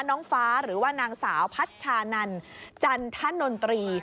น้องฟ้าหรือว่านางสาวพัชชานันจันทนนตรี